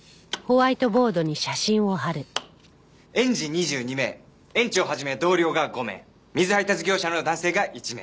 園児２２名園長始め同僚が５名水配達業者の男性が１名。